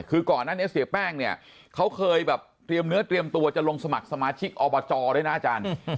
คือก่อนนั้นเนี่ยเสียแป้งเนี่ยเขาเคยแบบเตรียมเนื้อเตรียมตัวจะลงสมัครสมาชิกอบจด้วยนะอาจารย์